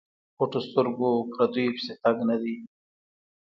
پټو سترګو پردیو پسې تګ نه دی.